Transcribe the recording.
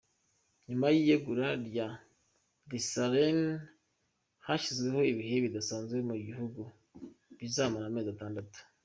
Nyuma y’iyegura rya Desalegn hashyizweho ibihe bidasanzwe mu gihugu bizamara amezi atandatu.